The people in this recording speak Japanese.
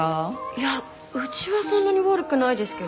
いやうちはそんなに悪くないですけど。